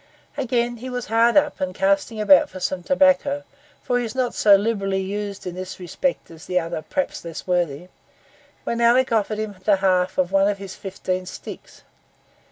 Again, he was hard up, and casting about for some tobacco, for he was not so liberally used in this respect as others perhaps less worthy, when Alick offered him the half of one of his fifteen sticks.